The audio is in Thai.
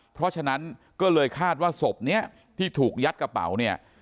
เพราะฉะนั้นก็เลยคาดว่าศพนี้ที่ถูกยัดกระเป๋าเนี่ย